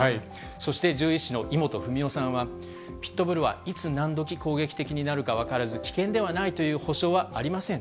そして獣医師の井本史夫さんは、ピットブルはいつ何時攻撃的になるか分からず、危険ではないという保証はありません。